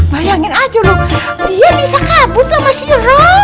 bayangin aja dia bisa kabur sama si ro